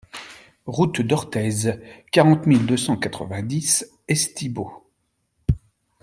Route d'Orthez, quarante mille deux cent quatre-vingt-dix Estibeaux